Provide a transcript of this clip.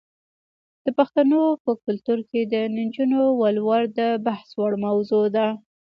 د پښتنو په کلتور کې د نجونو ولور د بحث وړ موضوع ده.